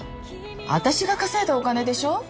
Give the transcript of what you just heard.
私が稼いだお金でしょ？